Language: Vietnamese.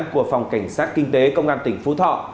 của phòng cảnh sát kinh tế công an tp thọ